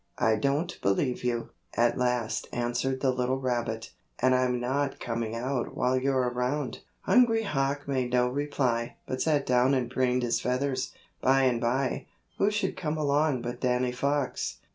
"I don't believe you," at last answered the little rabbit. "And I'm not coming out while you're around." Hungry Hawk made no reply, but sat down and preened his feathers. By and by who should come along but Danny Fox.